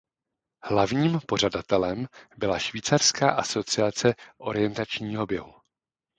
Hlavním pořadatelem byla Švýcarská asociace orientačního běhu.